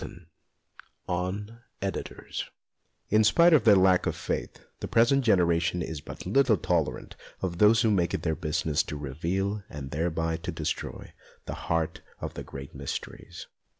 XVIII ON EDITORS IN spite of their lack of faith, the present generation is but little tolerant of those who make it their business to reveal, and thereby to destroy, the heart of the great mysteries.